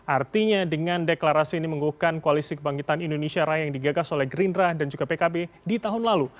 artinya dengan deklarasi ini mengukuhkan koalisi kebangkitan indonesia raya yang digagas oleh gerindra dan juga pkb di tahun lalu